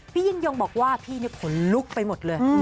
พี่ยิ่งยงบอกว่าพี่ขนลุกไปหมดเลย